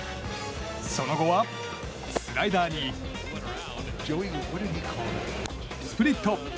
その後は、スライダーにスプリット。